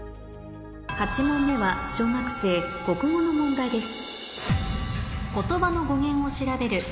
８問目は小学生国語の問題です